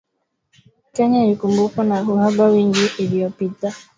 Kenya ilikumbwa na uhaba wiki iliyopita